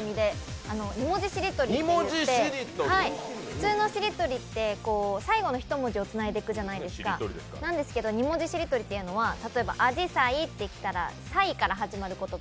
２文字しりとりといって普通のしりとりって最後の１文字をつないでいくじゃないですか、なんですけど２文字しりとりというのは、例えば「あじさい」と来たら「さい」から始まる言葉。